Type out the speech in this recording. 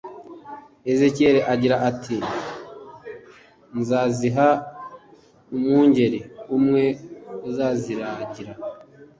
Ezekiel agira ati: "Nzaziha umwungeri umwe uzaziragira."